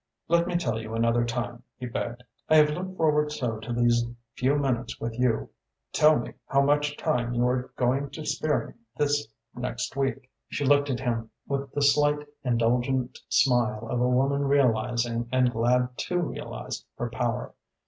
"Let me tell you another time," he begged. "I have looked forward so to these few minutes with you. Tell me how much time you are going to spare me this next week?" She looked at him with the slight, indulgent smile of a woman realising and glad to realise her power.